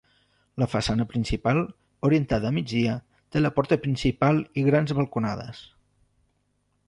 La façana principal, orientada a migdia, té la porta principal i grans balconades.